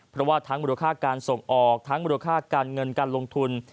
เพราะว่าทั้งมุดวัตถุภาษาอย่างกราศส่งออกและมุดวัตถุภาษาการเงินการลงทุน